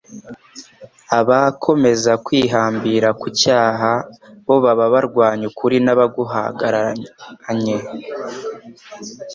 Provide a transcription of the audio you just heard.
abako meza kwihambira ku cyaha bo baba barwanya ukuri n'abaguhagaranye.